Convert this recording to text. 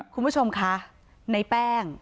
คุณผู้ชมคะในแป้ง